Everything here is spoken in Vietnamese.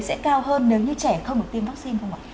sẽ cao hơn nếu như trẻ không được tiêm vaccine không ạ